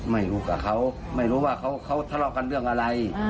ไม่รู้กับเขาไม่รู้ว่าเขาทะเลาะกันเรื่องอะไร